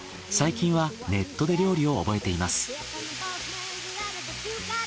最近はネットで料理を覚えています。